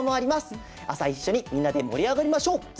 朝、一緒にみんなで盛り上がりましょう。